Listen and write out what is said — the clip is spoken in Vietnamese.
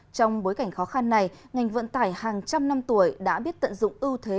trong bối cảnh khó khăn này ngành vận tải hàng trăm năm tuổi đã biết tận dụng ưu thế